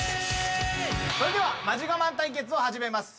それではマジガマン対決を始めます。